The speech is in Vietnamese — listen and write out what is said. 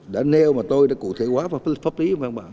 đã nêu mà tôi đã cụ thể hóa vào pháp lý